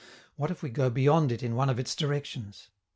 What if we go beyond it in one of its directions?